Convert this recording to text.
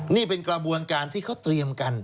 นี่เป็นกระบวนการที่เขาเตรียมกัน